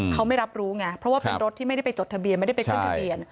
เขาไม่รับรู้ไงเพราะว่าเป็นรถที่ไม่ได้ไปจดทะเบียนไม่ได้ไปขึ้นทะเบียน